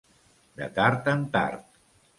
De tard en tard.